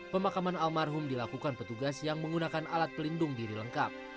pemakaman almarhum dilakukan petugas yang menggunakan alat pelindung diri lengkap